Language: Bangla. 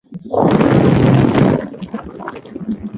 আজকের শিশুরাই আগামী দিনের জাতির ভবিষ্যৎ।